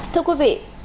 thưa quý vị